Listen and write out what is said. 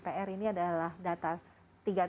pr ini adalah data